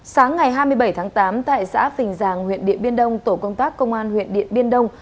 sáng ngày hai mươi bảy tháng tám tại xã phình giàng huyện điện biên đông tổ công tác công an huyện điện biên đông